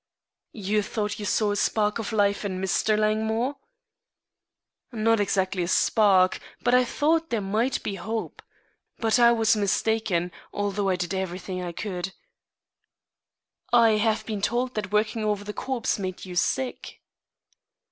"You thought you saw a spark of life in Mr. Langmore?" "Not exactly a spark, but I thought there might be hope. But I was mistaken, although I did everything I could." "I have been told that working over the corpse made you sick."